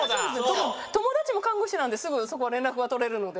友達も看護師なんですぐ連絡が取れるので。